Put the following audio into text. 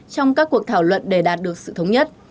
trong các cuộc thảo luận để đạt được sự thống nhất